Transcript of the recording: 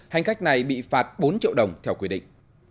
hành khách này bị phạt bốn triệu đồng theo quy định